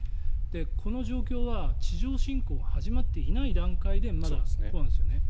この状況は地上侵攻が始まっていない段階でまだこうなんですよね。